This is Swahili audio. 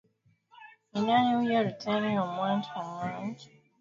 Ni nani huyu Luteni Hamoud Hamoud aliyeongoza mauaji na kwa nini